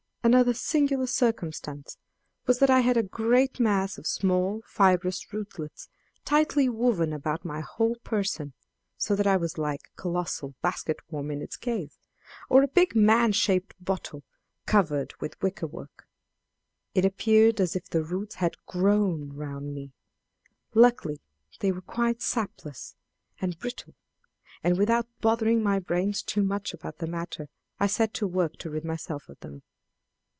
Another singular circumstance was that I had a great mass of small fibrous rootlets tightly woven about my whole person, so that I was like a colossal basket worm in its case, or a big man shaped bottle covered with wicker work. It appeared as if the roots had grown round me! Luckily they were quite sapless and brittle, and without bothering my brains too much about the matter, I set to work to rid myself of them.